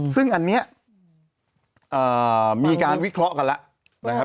ซึ่งอันนี้มีการวิเคราะห์กันแล้วมีการวิเคราะห์กันแล้ว